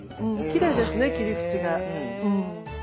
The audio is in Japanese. きれいですね切り口が。へ。